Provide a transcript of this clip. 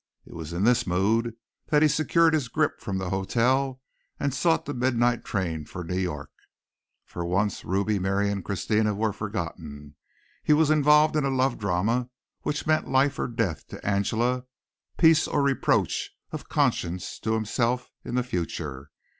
It was in this mood that he secured his grip from the hotel and sought the midnight train for New York. For once Ruby, Miriam, Christina, were forgotten. He was involved in a love drama which meant life or death to Angela, peace or reproach of conscience to himself in the future.